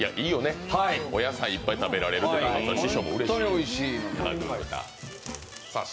お野菜いっぱい食べられるから、師匠もうれしい。